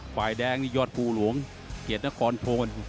ฝ่ายแดงนี่ยอดภูหลวงเกียรตินครโทน